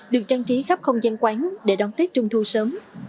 được trang trí khắp không gian quán để đón tết trung thu sớm